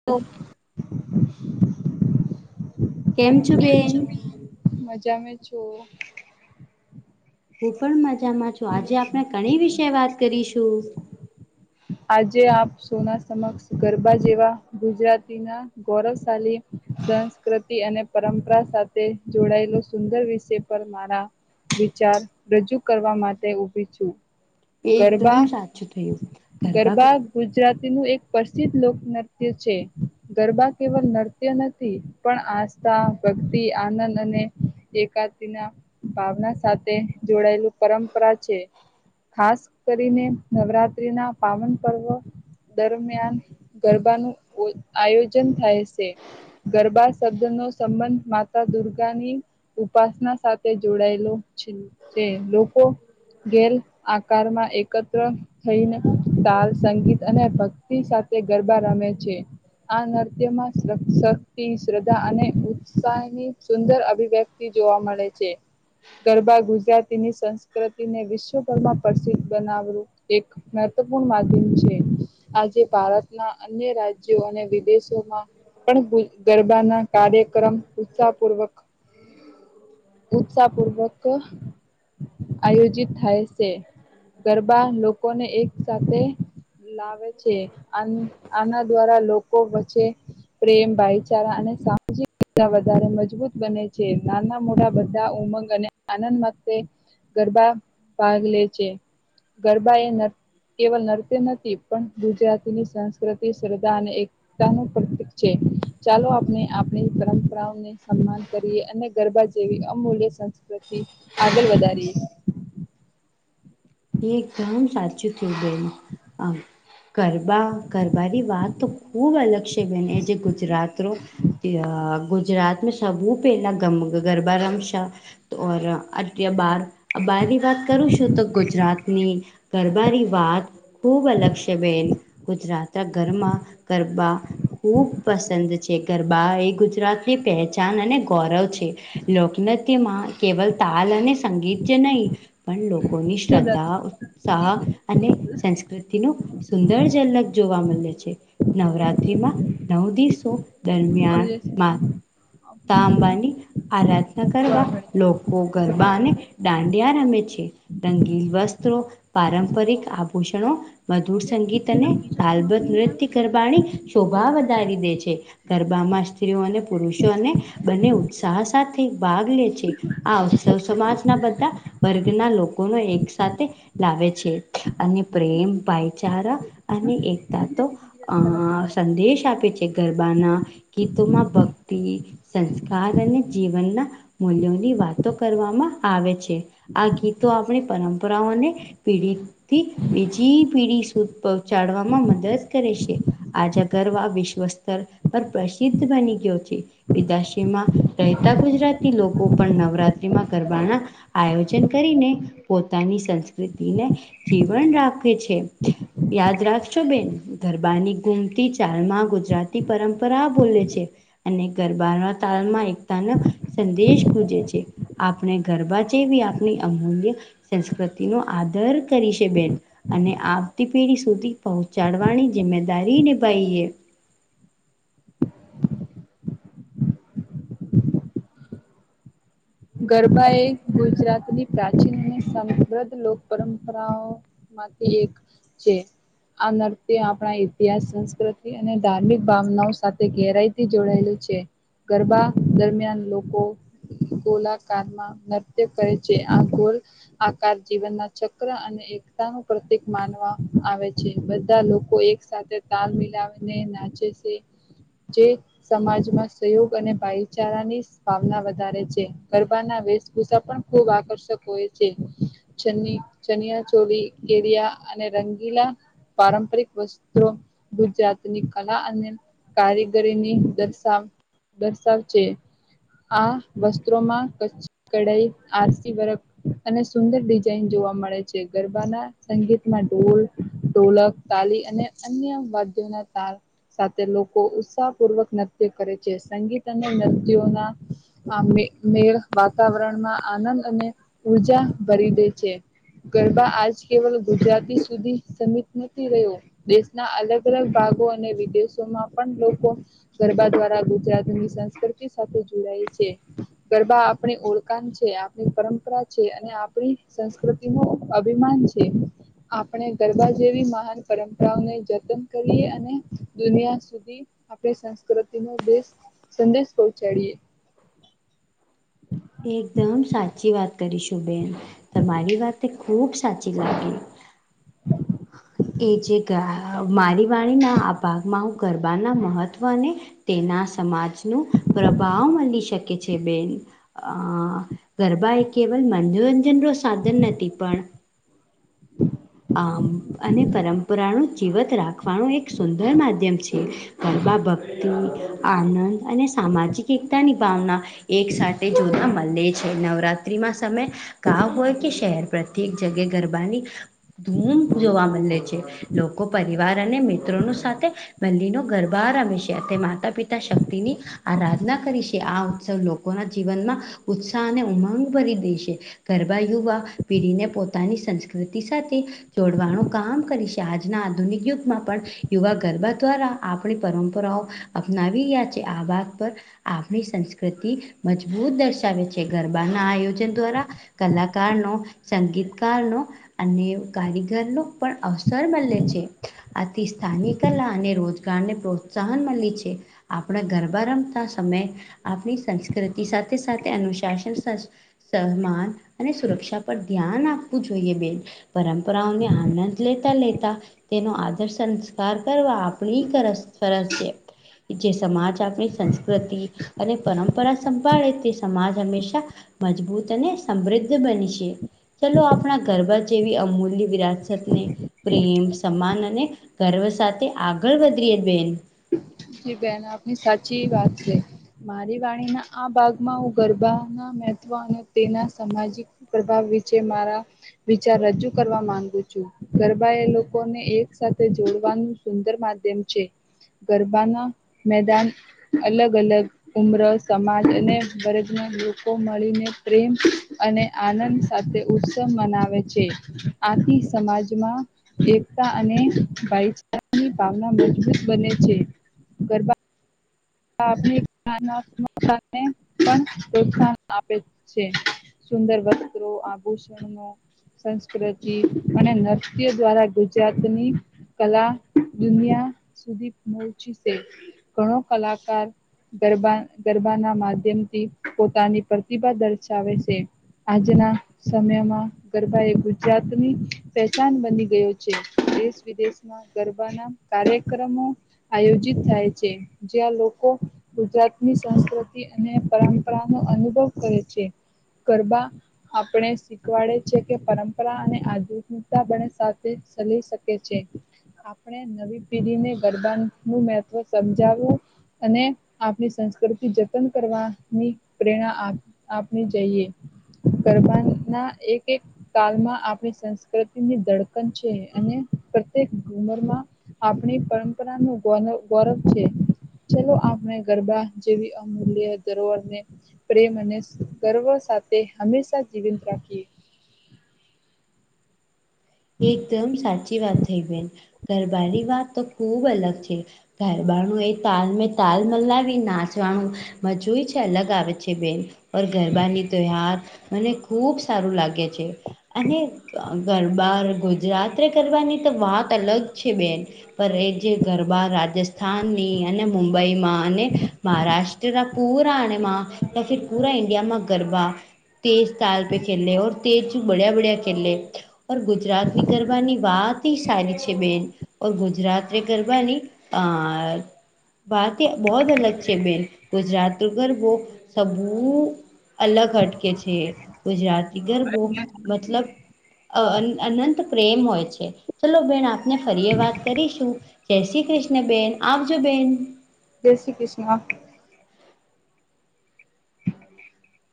[inaudible] કેમ છું બેન? મજા મે છો. હું પણ મજામાં છું, આજે આપણે કણી વિશે વાત કરીશું? આજે આપ સૌના સમક્ષ ગરબા જેવા ગુજરાતીના ગૌરવશાલી સંસ્કૃતિ અને પરંપરા સાથે જોડાયલો સુંદર વિષય પર મારા વિચાર રજૂ કરવા માટે ઉભી છું. એકદમ ગરબા સાચું થયું. ગરબા ગુજરાતીનું એક પશ્ચિત લોકનૃત્ય છે. ગરબા કેવલ નર્ત્ય નથી, પણ આસ્થા, ભક્તિ, આનંદ અને એકાકીના ભાવના સાથે જોડાયેલું પરંપરા છે. ખાસ કરીને નવરાત્રીના પાવન પર્વ દરમિયાન ગરબાનું ઓ આયોજન થાય છે. ગરબા શબ્દનો સંબંધ માતા દુર્ગાની ઉપાસના સાથે જોડાયેલો છે. ચે લોકો ગેલ આકારમાં એકત્ર થઈને તાલ, સંગીત અને ભક્તિ સાથે ગરબા રમે છે. આ નૃત્યમાં શ શક્તિ, શ્રદ્ધા અને ઉત્સાહની સુંદર અભિવ્ય તિ જોવા મળે છે. ગરબા ગુજરાતીની સંસ્કૃતિને વિશ્વભરમાં પ્રસિદ્ધ બનાવરુ એક મા [unintelligible] માધ્યમ છે. આજે ભારતના અન્ય રાજ્યો અને વિદેશોમાં પણ ભુ ગરબાના કાર્યક્રમ ઉત્સાહપૂર્વક ઉત્સાહપૂર્વક આયોજિત થાય છે, ગરબા લોકોને એક સાથે લાવે છે, આન આના દ્વારા લોકો વચ્ચે પ્રેમ, ભાઈચારા અને સામાજિ વધારે મજબૂત બને છે, નાના મોડા બધા ઉમંગ અને આનંદ માટે ગરબા ભાગ લે છે, ગરબા એ ન કેવલ નર્ત્ય નથી પણ ગુજરાતીની સંસ્કૃતિ, શ્રદ્ધા અને એ તા નું પ્રતિક છે, ચાલો આપણે આપણી પરંપરાને સન્માન કરીએ અને ગરબા જેવી અમૂલ્ય સંસ્કૃતિ આગળ વધારીએ એકદમ સાચું થયું બેન અ ગરબા, ગરબાની વાત તો ખૂબ અલગ છે, બને એ જે ગુજરાતરો તે આ ગુજરાત સબું પહેલા ગમ ગરબા રમ શય તો અટ્ય બાર બારની વાત કરું છું તો ગુજરાતની ગ ગરબાની વાત ખૂબ અલગ છે, બેન ગુજરાતના ઘરમાં ગરબા ખુબ પસંદ છે, ગરબા એ ગુજરાતી પહેચાન અને ગૌરવ છે. લોકનત્યમાં કેવલ તાલ અને સંગીતય નહીં પણ લોકોની શ્રદ્ધા ઉત્સાહ અને સંસ્કૃતિનુ સુંદર ઝલક જોવા મલે છે. નવરાત્રીમાં નવ દિવસો દરમિયાન મા તાંબાની આપણે આરાધના કરવા લોકો ગરબાને ડાડિયા રમે છે, રંગીલ વસ્ત્રો પારંપરિક આભૂષણો મધુર સંગીત અને તાલબત નૃત્ય ગરબાણી શોભા વધારી દે છે, ગરબામાં સ્ત્રીઓને [unintelligible] બંને ઉત્સાહ સાથે ભાગ લે છે. આ ઉત્સવ સમાજના બધા વર્ગના લોકોનો એક સાથે લાવે છે, અને પ્રેમ, ભાઈચારા અને એ તાતો અ સંદેશ આપે છે, ગરબાના ગીતમાં ભ તી સંસ્કાર અને જીવનના મૂલ્યોની વાતો કરવામાં આવે છે. આ ગીતો આપણી પરંપરાઓને પીડી થી બીજી પીઢી સુ પહોંચાડવામાં મદદ કરે છે. આજા ગરવ વિશ્વ સ્તર પર પ્રસિદ્ધ બની ગયો છે, વિદશીમાં રહેતા ગુજરાતી લોકો પણ નવરાત્રીમાં ગરબાના આયોજન કરીને પોતાની સંસ્કૃતિને જીવન રાખે છે. યાદ રાખશો બેન ગરબાની ગુમતી ચાલમાં ગુજરાતી પરંપરા બોલે છે. અને ગરબા ના તાલમાં એકતાનો સંદેશ ગૂજે છે. આપણે ગરબા જેવી આપણી અમૂલ્ય સંસ્કૃતિ નો આદર કરી છે બેન અને આવતી પેઢી સુધી પહોંચાડવાની જિમ્મેદારી નિભાઈએ. ગરબા એ ગુજરાતની પ્રાચીન અને સમપ્રધ લોક પરંપરાઓ માંથી એક છે. આ નર્ત્ય આપણા ઇતિહાસ સંસ્કૃતિ અને ધાર્મિક ભાવનાઓ સાથે ઘેરાય થી જોડાયેલું છે ગરબા દરમિયાન લોકો ગોળાકારમાં નૃત્ય કરે છે આમ ગોલ આકાર જીવનના ચક્ર અને એકતા નું પ્રતિક માનવા આવે છે બધા લોકો એક સાથે તાલ મિલાવીને નાચે છે. જે સમાજમાં સહયોગ અને ભાઈચારા ની ભાવના વધારે છે. ગરબાના વેશભૂષા પણ ખૂબ આકર્ષક હોય છે. ચની ચનિયા ચોલી ધેરિયા અને રંગીલા પારંપરિક વસ્ત્રો ગુજરાતની કલા અને કારીગરીની દર્શાવ દર્શાવ છે આ વ સ્ત્રોમાં કચ્છી કઢઈ આરસી વર્ક અને સુંદર ડિઝાઇનજોવા મળે છે ગરબાના સંગીતમાં ઢોલ ઢોલક તાલી અને અન્ય વાદ્યોના તાર સાથે લોકો ઉત્સાહ પૂર્વક નૃત્ય કરે છે સંગીત અને નૃત્યોના આ મેળ વાતાવરણમાં આનંદ અને ઉર્જા ભરી દે છે. ગરબા આજ કેવલ ગુજરાતી સુધી સમિત નથી રહ્યો દેશના અલગ અલગ ભાગો અને વિદેશોમાં પણ લોકો ગરબા દ્વારા ગુજરાતની સંસ્કૃતિ સાથે જોડાય છે. ગરબા આપણી ઓળખાણ છે આપણી પરંપરા છે અને આપણી સંસ્કૃતિ નું અભિમાન છે. આપણે ગરબા જેવી મહાન પરંપરાઓને જતન કરીએ અને દુનિયા સુધી આપણી સંસ્કૃતિ નો દેશ સંદેશ પહોંચાડીએ એકદમ સાચી વાત કરીશું બેેન તમારી વાત એ ખુબ સાચી લાગી. [inaudible] એ જે ગ્રા મારી વાણીના આ ભાગમાં હું ગરબાના મહત્ત્વને તેના સમાજ નું પ્રભાવ મલી શકે છે બેન ગરબા એ કેવલ મનોરંજન નો સાધન નથી પણ આમ અને પરંપરા નો જીવંત રાખવાનું એક સુંદર માધ્યમ છે. ગરબા ભક્તિ આનંદ અને સામાજિક એકતાની ભાવના એક સાથે જોતા મલે છે નવરાત્રત્રી માં સમય ગાવ હોય કે શહેર પ્રત્યેક જગ્યે ગરબાની ધૂમ જોવા મલે છે. લોકો પરિવાર અને મિત્રોનો સાથે મલ્લીનો ગરબા રમે છે તે માતા પિતા શક્તિની આરાધના કરી છે આ ઉત્સવ લોકોના જીવનમાં ઉત્સાહ અને ઉમંગ ભરી દે છે. ગરબા યુવા પીઢીને પોતાની સંસ્કૃતિ સાથે જોડવાણું કામ કરી શે આજના આધુનિક યુગમાં પણ યુવા ગરબા દ્વારા આપણી પરંપરાઓ અપનાવી રહ્યા છે આ વાત પર આપણી સંસ્કૃતિ મજબૂત દર્શાવે છે ગરબાના આયોજન દ્વારા કલાકાર નો સંગીતકાર નો અને કારીગર નો પણ અવસર મલે છે. આથી સ્થાાનિક કલા અને રોજગારને પ્રોત્સાહન મલી છે. આપણા ગરબા રમતા સમયે આપણી સંસ્કૃતિ સાથે સાથે અનુશાસન સહમાન અને સુરક્ષા પર ધ્યાન આપવું જોઈએ બેન. પરંપરાઓને આનંદ લેતા લેતા તેનો આદર સંસ્કાર કરવા આ આપણી ફરસ ફરઝ છે જે સમાજ આપણી સંસ કૃતિ અને પરંપરા સંભાળે તે સમાજ હંમેશા મજબૂત અને સમૃદ્ધ બનીશે ચલો આપણા ગરબા જેવી અમૂલ્ય વિરાસતને પ્રેમ સમાન અને ગર્વ સાથે આગળ વધીએ બેન. જી બેન આપની સાચી વાત છે. મારી વાણીના આ ભાગમાં હું ગરબાના મહત્વ અને તેના સામાજિક પ્રભાવ વિશેે મારા વિચાર રજૂ કરવા માંગુ છું. ગરબા એ લોકોને એક સાથે જોડવાનું સુંદર માધ્યમ છે. બારના મેદાન અલગ અલગ ઉમ્ર સમાજ અને [unintelligible] લોકો મળીને પ્રેમ અને આનંદ સાથે ઉત્સવ મનાવે છે આથી સમાજમાં એકતા અને ભાઈચારાની ભાવના મજબૂત બને છે ગરબા પણ પ્રોત્સાહન આપે છે. સુંદર વસ્ત્રો આભૂષણ નો સંસ્કૃતિ અને નૃત્ય દ્વારા ગુજરાતની કલા દુનિયા સુધી પહચી છે ઘણો કલાકાર ગરબા ગરબાના માધ્યમથી પોતાની પ્રતિભા દર્શાવે છે. આજના સમયમાં ગરબા એ ગુજરાતની પહેચાન બની ગયું છે દેશ વિદેશમાં ગરબા ના કાર્યક્રમો આયોજિત થાય છે. જ્યાં લોકો ગુજરાતની સંસ્કૃતિ અને પરંપરા નો અનુભવ કરે છે. ગરબા આપણે શીખવાડે છે કે પરંપરા અને આધુનિકતા બને સાથે ચલી શકે છે. આપણે નવી પેઢીને ગરબાનું મહત્ત્વ સમજાવવું અને આપણી સંસ્કૃતિ જતન કરવાની પ્રેરણા આપ આપણે જઈએ ગરબા ના એક એક કાલમાં આપણી સંસ્કૃતિની ધડકન છે અને પ્રત્યેક ઉમરમાં આપણી પરંપરા નું ગૌ ગૌરવ છે. ચાલલો આપણે ગરબા જેવી અમૂલ્ય ધરોરને પ્રેમ અને ગર્વ સાથે હંમેશા જીવંત રાખીએ. એકદમ સાચી વાત થઈ બેન ગરબા ની વાત તો ખુબ અલગ છે. ઘરબાણું એ તાલ તાલ મલાવી નાચવાનુંું મજું છે અલગ આવે છે બેન પર ગરબા ન તહાર મને ખૂબ સારું લાગે છે અને ગ બાર ગુજરાત કરવાની તો વાત અલગ છે બેન. પર એ જે ગરબા રાજસ્થાનની અને મુંબઈમાં અને મહારાષ્ટ્રના પૂરા હમાં ત પૂરા ઈન્ડિયામાં ગરબા તેજ તાલ પે ખેલે ર તેજ બળયા બળયા ખલે ગુજરાતની ગરબાની વાતી એ સારી છે બેન. ઔર ગુજરાત્રી ગરબાની અહ વાકેય બહોત અલગ છે બહેન. ગુજરાતીયો ગરબો સબુ અલગ હટકે છે. ગુજરાતી ગરબો મતલબ અહ અન અનંત પ્રેમ હોય છે. ચલો બહેન આપને ફરીએ વાત કરીશું. જય શ્રી કૃષ્ણ બેન. આવજો બેન. જય શ્રી કૃષ્ણ. [inaudible]